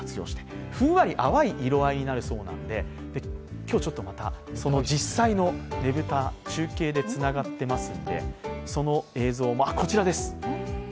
今日、実際のねぶた、中継でつながっていますのでその映像も、こちらです。